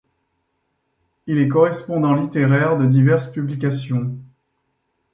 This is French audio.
Il est correspondant littéraire de diverses publications.